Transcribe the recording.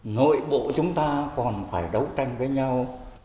nội bộ chúng ta còn phải đấu tranh với nhau